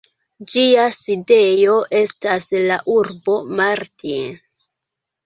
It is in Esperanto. Ĝia sidejo estas la urbo Martin.